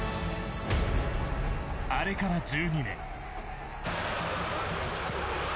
あれから１２年。